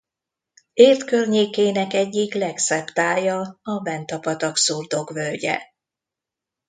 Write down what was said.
Érd környékének egyik legszebb tája a Benta patak szurdokvölgye.